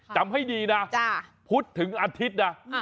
จำให้ดีนะพุธถึงอาทิตย์นะ